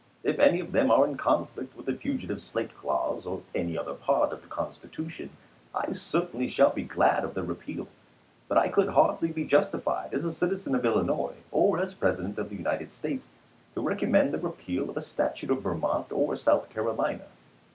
If any of them are in conflict with the fugitive slave clause, or any other part of the Constitution, I certainly shall be glad of their repeal ; but I could hardly be justi Lincoln t0 fled, as a citizen of Illinois, or as President of the United D^n™i86o States, to recommend the repeal of a statute of Vermont Ms or South Carolina.